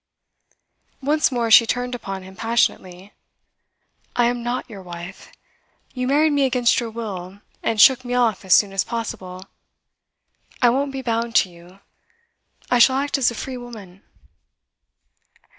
Once more she turned upon him passionately. 'I am not your wife! You married me against your will, and shook me off as soon as possible. I won't be bound to you; I shall act as a free woman.